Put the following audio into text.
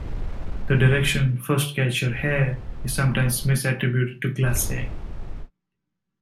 The direction "First catch your hare" is sometimes misattributed to Glasse.